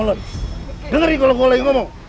dengerin kalau gue lagi ngomong